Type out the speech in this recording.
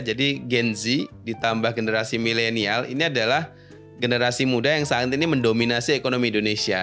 jadi gen z ditambah generasi milenial ini adalah generasi muda yang saat ini mendominasi ekonomi indonesia